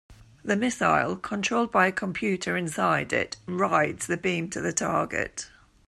The missile, controlled by a computer inside it, "rides" the beam to the target.